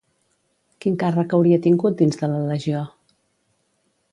Quin càrrec hauria tingut dins de la legió?